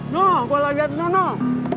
nuh gua lagi liatnya nuh